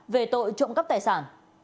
về tội trộm cấp tài sản